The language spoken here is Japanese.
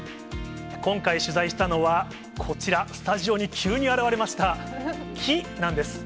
今回、取材したのはこちら、スタジオに急に現れました、木なんです。